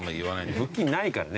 腹筋ないからね